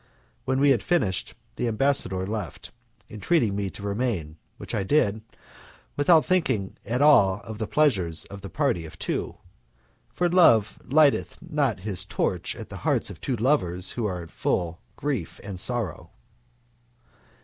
When we had finished, the ambassador left, entreating me to remain, which I did, without thinking at all of the pleasures of a party of two, for Love lighteth not his torch at the hearts of two lovers who are full of grief and sorrow.